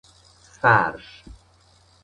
فرش